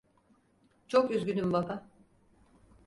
Çok üzgünüm baba.